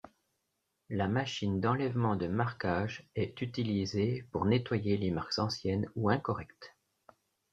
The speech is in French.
La machine d'enlèvement de marquage est utilisée pour nettoyer les marques anciennes ou incorrectes.